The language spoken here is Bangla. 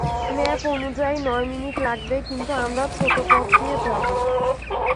ম্যাপ অনুযায়ী নয় মিনিট লাগবে, কিন্তু আমরা ছোট পথ দিয়ে যাব।